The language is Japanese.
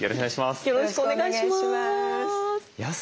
よろしくお願いします。